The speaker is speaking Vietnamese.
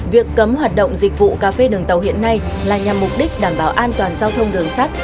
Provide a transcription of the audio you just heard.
việc cấm hoạt động dịch vụ cà phê đường tàu hiện nay là nhằm mục đích đảm bảo an toàn giao thông đường sắt